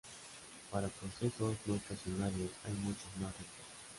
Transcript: Para procesos no estacionarios, hay muchos más retos.